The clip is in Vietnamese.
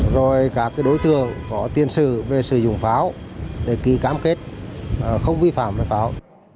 rồi các đối tượng có tiên sự về sử dụng pháo để ký cam kết không vi phạm pháo